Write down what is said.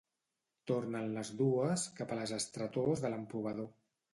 Tornen les dues cap a les estretors de l'emprovador.